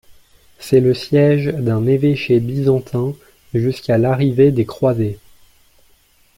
C'est le siège d'un évêché byzantin jusqu'à l'arrivée des croisés.